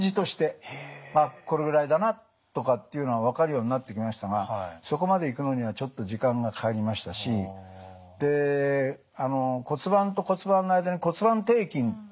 あっこのぐらいだなとかっていうのが分かるようになってきましたがそこまでいくのにはちょっと時間がかかりましたしで骨盤と骨盤の間に骨盤底筋っていうのがあってね